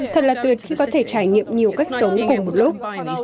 thật là tuyệt khi có thể trải nghiệm nhiều cách sống cùng một lúc